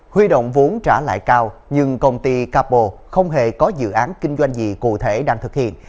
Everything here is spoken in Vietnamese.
huy động vốn trả lại cao nhưng công ty capo không hề có dự án kinh doanh gì cụ thể đang thực hiện